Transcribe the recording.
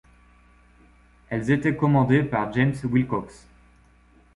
Elles étaient commandées par James Willcocks.